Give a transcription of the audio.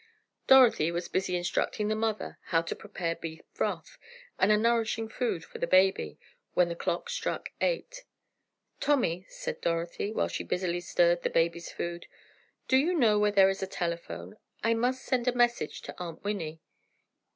Dorothy was busy instructing the mother how to prepare beef broth, and a nourishing food for the baby, when the clock struck eight. "Tommy," said Dorothy, as she busily stirred the baby's food, "do you know where there is a telephone? I must send a message to Aunt Winnie."